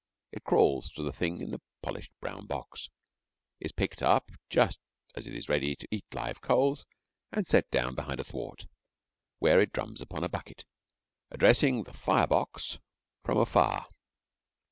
It crawls to the thing in the polished brown box, is picked up just as it is ready to eat live coals, and is set down behind a thwart, where it drums upon a bucket, addressing the firebox from afar.